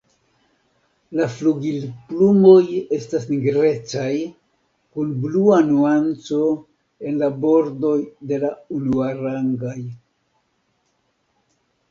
La flugilplumoj estas nigrecaj, kun blua nuanco en la bordoj de la unuarangaj.